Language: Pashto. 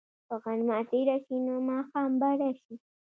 که غرمه تېره شي، نو ماښام به راشي.